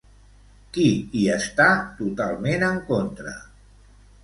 Qui hi està totalment en contra?